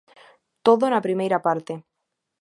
Todo na primeira parte.